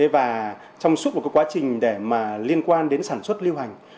và trong suốt một quá trình liên quan đến sản xuất lưu hành